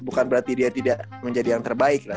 bukan berarti dia tidak menjadi yang terbaik lah